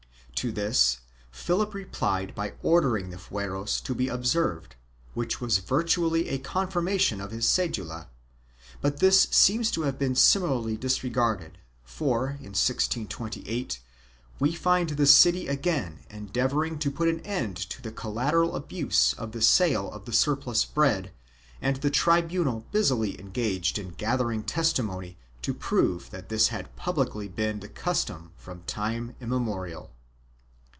To this Philip replied by ordering the fueros to be observed, which was virtually a confirmation of his cedula, but this seems to have been similarly disregarded, for, in 1628, we find the city again endeavoring to put an end to the collateral abuse of the sale of the surplus bread and the tribunal busily engaged in gathering testimony to prove that this had publicly been the custom from time immemorial.